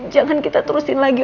jangan kita terusin lagi